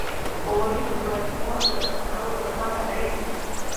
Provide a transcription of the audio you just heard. غوړې د خوراکي موادو د هضم کولو لپاره اړینې دي.